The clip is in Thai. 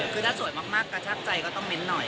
คือถ้าสวยมากกระชับใจก็ต้องเน้นหน่อย